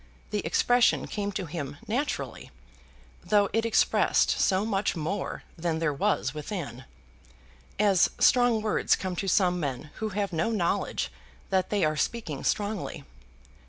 The expression came to him naturally, though it expressed so much more than there was within; as strong words come to some men who have no knowledge that they are speaking strongly.